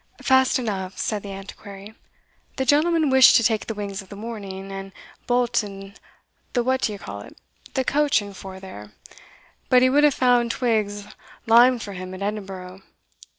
"Fast enough," said the Antiquary; "the gentleman wished to take the wings of the morning, and bolt in the what d'ye call it, the coach and four there. But he would have found twigs limed for him at Edinburgh.